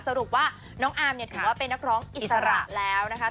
สรุปว่าน้องอาร์มเนี่ยถือว่าเป็นนักร้องอิสระแล้วนะคะ